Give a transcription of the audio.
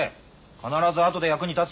必ず後で役に立つ。